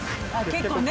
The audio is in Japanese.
結構ね。